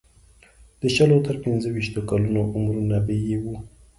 د شلو تر پنځه ویشتو کلونو عمرونه به یې وو.